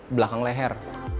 sama di belakang leher